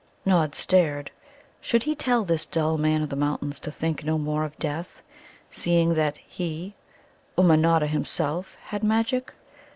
Nod stared. Should he tell this dull Man of the Mountains to think no more of death, seeing that he, Ummanodda himself, had magic?